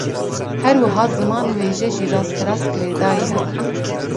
Her wiha ziman û wêje jî rasterast girêdayî hev in